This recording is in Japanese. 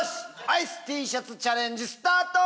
アイスＴシャツチャレンジスタート！